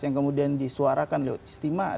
yang kemudian disuarakan lewat istimewa